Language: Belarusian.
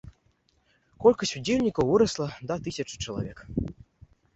Колькасць удзельнікаў вырасла да тысячы чалавек.